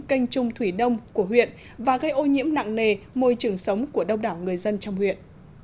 kênh trung thủy đông của huyện và gây ô nhiễm nặng nề môi trường sống của đông đảo người dân trong huyện